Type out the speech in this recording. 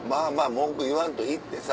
文句言わんと行ってさ。